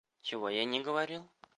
Чего я не говорил?